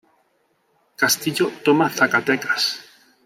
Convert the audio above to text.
Castillo toma Zacatecas.